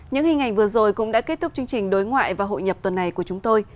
những hình ảnh vừa rồi cũng đã kết thúc chương trình đối ngoại và hội nhập tuần này của chúng tôi